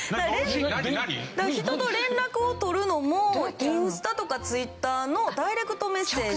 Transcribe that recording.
人と連絡を取るのもインスタとかＴｗｉｔｔｅｒのダイレクトメッセージで返す事の方が多いのでそれこそ